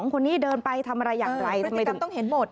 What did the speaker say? คนนี้เดินไปทำอะไรอย่างไรทำไมต้องเห็นหมด